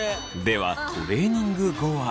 ではトレーニング後は。